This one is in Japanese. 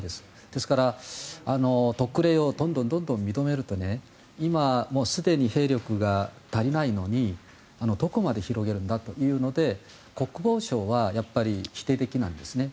ですから特例をどんどん認めると今すでに兵力が足りないのにどこまで広げるんだというので国防省は否定的なんですね。